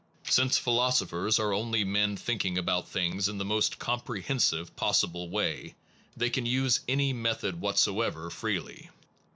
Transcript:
Since philosophers are only men thinking about things in the most comprehensive pos sible way, they can use any method whatsoever freely.